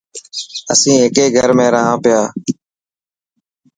اسين هڪي گھر ۾ رهنا پيا.